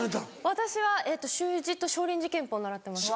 私は習字と少林寺拳法習ってました。